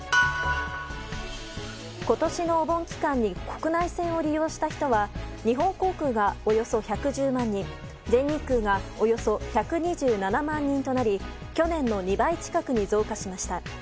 今年のお盆期間に国内線を利用した人は日本航空がおよそ１１０万人全日空がおよそ１２７万人となり去年の２倍近くに増加しました。